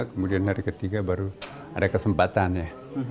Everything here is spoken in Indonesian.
kemudian hari ketiga baru ada kesempatan ya